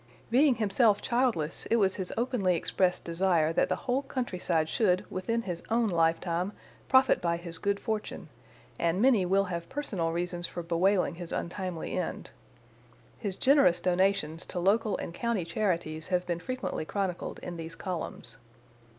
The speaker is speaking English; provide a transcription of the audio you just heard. Being himself childless, it was his openly expressed desire that the whole countryside should, within his own lifetime, profit by his good fortune, and many will have personal reasons for bewailing his untimely end. His generous donations to local and county charities have been frequently chronicled in these columns.